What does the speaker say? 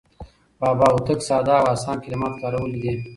بابا هوتک ساده او اسان کلمات کارولي دي.